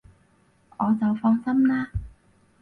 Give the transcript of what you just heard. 我就放心喇